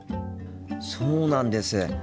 そうなんです。